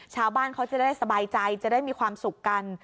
ชาวบ้านเขาจะได้สบายใจจะได้มีความสุขกัน